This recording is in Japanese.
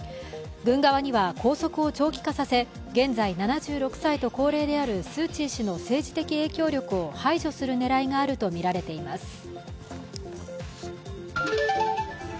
軍側には拘束を長期化させ、現在７６歳と高齢であるスー・チー氏の政治的影響力を排除する狙いがあるとみられています。